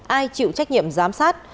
ai chịu trách nhiệm giám sát